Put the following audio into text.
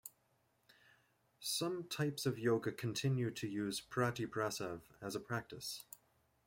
Some types of yoga continue to use "prati-prasav" as a practice.